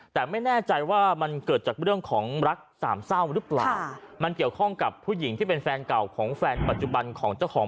แต่ไม่แน่ใจว่ามันเกิดจากเรื่องของรัก